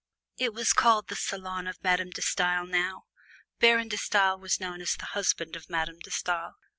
It was called the salon of Madame De Stael now. Baron De Stael was known as the husband of Madame De Stael.